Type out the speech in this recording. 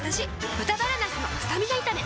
「豚バラなすのスタミナ炒め」